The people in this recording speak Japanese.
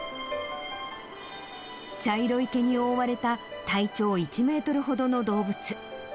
茶色い毛に覆われた体長１メートルほどの動物。